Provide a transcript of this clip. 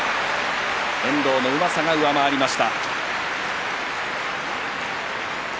遠藤のうまさが上回りました。